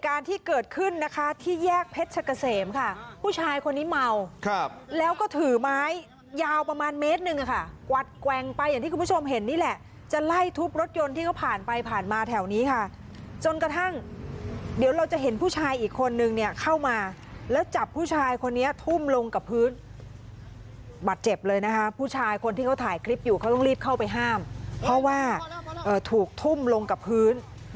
การที่เกิดขึ้นนะคะที่แยกเพชรชะกะเสมค่ะผู้ชายคนนี้เมาครับแล้วก็ถือไม้ยาวประมาณเมตรหนึ่งค่ะกวัดแกว่งไปอย่างที่คุณผู้ชมเห็นนี่แหละจะไล่ทุบรถยนต์ที่เขาผ่านไปผ่านมาแถวนี้ค่ะจนกระทั่งเดี๋ยวเราจะเห็นผู้ชายอีกคนนึงเนี่ยเข้ามาแล้วจับผู้ชายคนนี้ทุ่มลงกับพื้นบัตรเจ็บเลยนะคะผู้ชายคนที่เขาถ่ายคลิปอยู่เขาต้องรีบเข้าไปห้ามเพราะว่าถูกทุ่มลงกับพื้น